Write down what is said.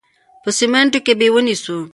په سمینټو کې به یې ونیسو.